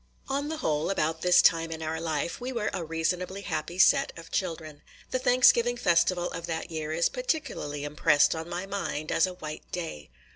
ON the whole, about this time in our life we were a reasonably happy set of children. The Thanksgiving festival of that year is particularly impressed on my mind as a white day.